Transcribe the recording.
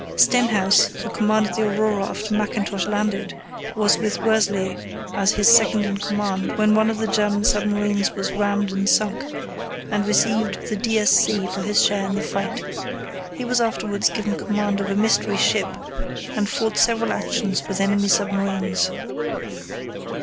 Stenhouse, who commanded the Aurora after Mackintosh landed, was with Worsley as his second in command when one of the German submarines was rammed and sunk, and received the D.S.C. for his share in the fight. He was afterwards given command of a Mystery Ship, and fought several actions with enemy submarines.